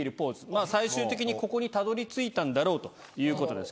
最終的にここにたどり着いたんだろうということです